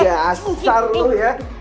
gasal lu ya